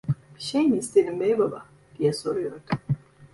Bir şey mi istedin, Beybaba! diye soruyordu.